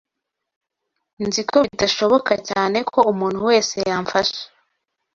Nzi ko bidashoboka cyane ko umuntu wese yamfasha.